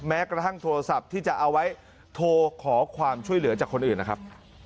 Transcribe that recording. แม้กระทั่งโทรศัพท์ที่จะเอาไว้โทรขอความช่วยเหลือจากคนอื่นนะครับ